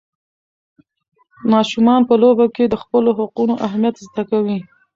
ماشومان په لوبو کې د خپلو حقونو اهمیت زده کوي.